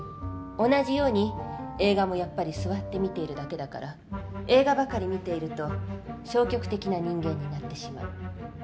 同じように映画もやっぱり座って見ているだけだから映画ばかり見ていると消極的な人間になってしまう。